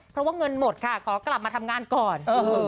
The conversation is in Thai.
เพราะว่าเงินหมดค่ะขอกลับมาทำงานก่อน